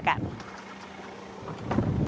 tol trans sumatera